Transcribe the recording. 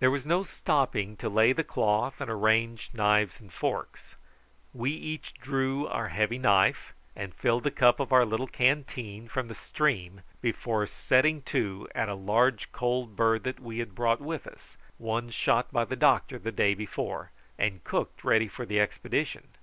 There was no stopping to lay the cloth and arrange knives and forks. We each drew our heavy knife, and filled the cup of our little canteen from the stream before setting to at a large cold bird that we had brought with us, one shot by the doctor the day before, and cooked ready for the expedition.